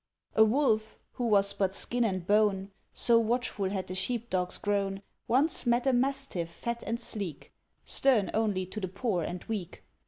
A Wolf, who was but skin and bone, So watchful had the sheep dogs grown, Once met a Mastiff fat and sleek, Stern only to the poor and weak.